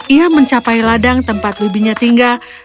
ia mencapai ladang tempat bibinya tinggal